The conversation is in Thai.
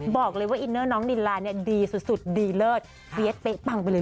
บอกเลยว่าอินเนอร์น้องนินลาเนี่ยดีสุดดีเลิศเฟียดเป๊ะปังไปเลย